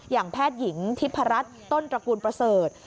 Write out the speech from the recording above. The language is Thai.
อย่างแพทย์หญิงทิพรัชต้นตระกูลประเสริฐ